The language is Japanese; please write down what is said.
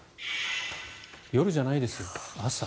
夜じゃないです、朝。